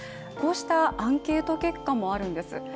こうしたアンケート結果もあるんです。